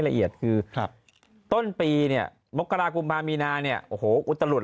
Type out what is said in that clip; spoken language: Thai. ละเอียดคือต้นปีเนี่ยมกรากุมภามีนาเนี่ยโอ้โหอุตลุด